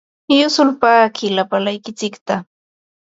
Yusulpaaqi lapalaykitsikta.